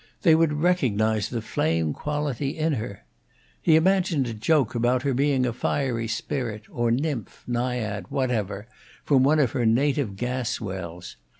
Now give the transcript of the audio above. They would recognize the flame quality in her. He imagined a joke about her being a fiery spirit, or nymph, naiad, whatever, from one of her native gas wells.